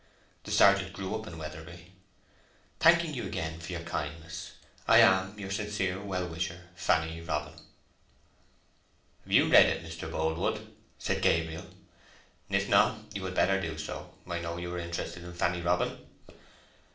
The sergeant grew up in Weatherbury. Thanking you again for your kindness, I am, your sincere well wisher, FANNY ROBIN. "Have you read it, Mr. Boldwood?" said Gabriel; "if not, you had better do so. I know you are interested in Fanny Robin."